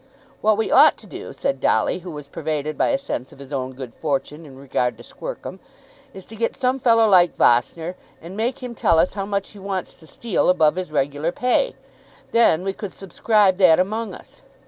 "What we ought to do," said Dolly, who was pervaded by a sense of his own good fortune in regard to Squercum, "is to get some fellow like Vossner, and make him tell us how much he wants to steal above his regular pay. Then we could subscribe that among us.